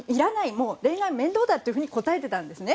もう恋愛は面倒だというふうに答えていたんですね。